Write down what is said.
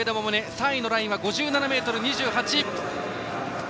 ３位のラインは５７ｍ２８。